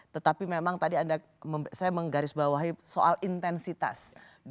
tetapi memang tadi saya menggaris bawahi soal intensitas